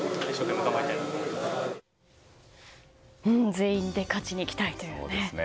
全員で勝ちに行きたいというね。